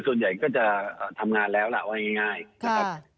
ส่วนใหญ่ก็จะทำงานแล้วล่ะว่าง่ายนะครับ